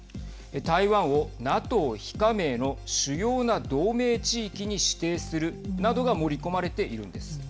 台湾をＮＡＴＯ非加盟の主要な同盟地域に指定するなどが盛り込まれているんです。